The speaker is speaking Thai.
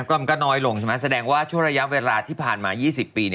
ก็มันก็น้อยลงใช่ไหมแสดงว่าช่วงระยะเวลาที่ผ่านมา๒๐ปี